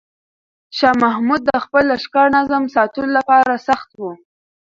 شاه محمود د خپل لښکر نظم ساتلو لپاره سخت و.